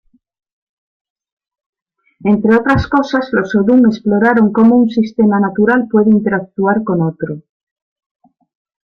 Entre otras cosas, los Odum exploraron cómo un sistema natural puede interactuar con otro.